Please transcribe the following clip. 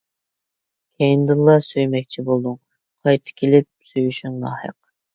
كەينىدىنلا سۆيمەكچى بولدۇڭ، قايتا كېلىپ سۆيۈشۈڭ ناھەق.